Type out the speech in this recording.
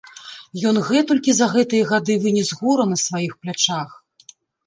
Ён гэтулькі за гэтыя гады вынес гора на сваіх плячах!